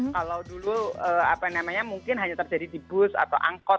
kalau dulu apa namanya mungkin hanya terjadi di bus atau angkot